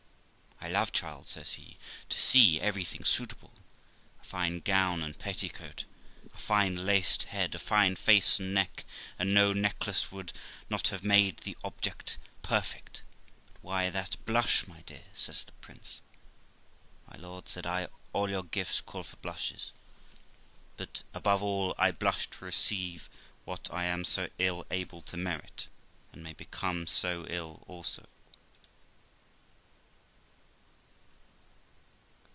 'I love, child', says he, 'to see everything suitable. A fine gown and petticoat, a fine laced head, a fine face and neck, and no necklace, would not have made the object perfect. But why that blush, my dear?' says the princt. 'My lord', said I, 'all your gifts call for blushes, but, above all, I blush to receive what I am so ill able to merit, and may become so ill also.'